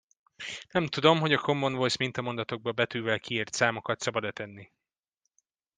Nem tudom, hogy a Common Voice mintamondatokba betűvel kiírt számokat szabad-e tenni?